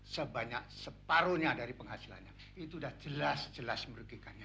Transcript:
sebanyak separuhnya dari penghasilannya itu sudah jelas jelas merugikannya